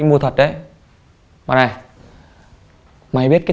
nốt lần này thôi